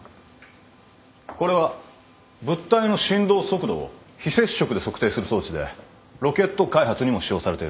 これは物体の振動速度を非接触で測定する装置でロケット開発にも使用されているものだ。